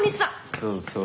そうそう。